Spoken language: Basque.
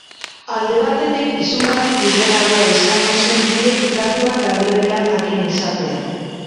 Alde batetik, izugarri bidegabea izango zen biek datuak aldi berean jakin izatea.